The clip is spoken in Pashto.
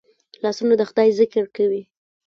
لاسونه د خدای ذکر کوي